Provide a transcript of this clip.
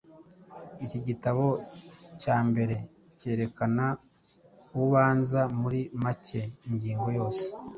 Iki gitabo cya mbere cyerekana, ubanza muri make, ingingo yose,